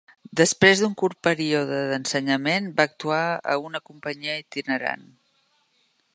Després d'un curt període d'ensenyament, va actuar a una companyia itinerant.